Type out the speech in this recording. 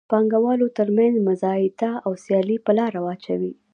د پانګوالو تر مینځ مزایده او سیالي په لاره اچوي.